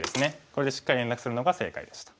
これでしっかり連絡するのが正解でした。